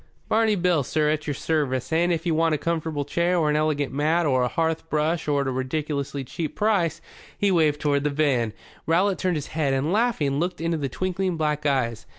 "Barney Bill, sir, at your service. And, if you want a comfortable chair, or an elegant mat, or a hearth brush at a ridiculous cheap price" he waved toward the van. Rowlatt turned his head and, laughing, looked into the twinkling black eyes.